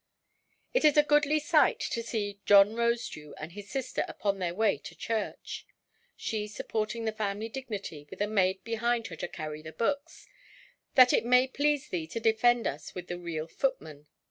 It is a goodly sight to see John Rosedew and his sister upon their way to church. She supporting the family dignity, with a maid behind her to carry the books—that it may please thee to defend us with a real footman!